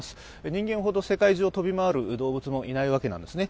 人間ほど世界中を飛び回る動物もいないわけなんですね。